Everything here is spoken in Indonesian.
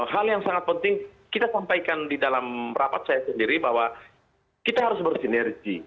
hal yang sangat penting kita sampaikan di dalam rapat saya sendiri bahwa kita harus bersinergi